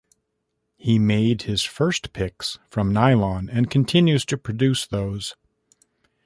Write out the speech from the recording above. He made his first picks from nylon, and continues to produce those.